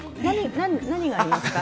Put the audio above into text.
何がありますか？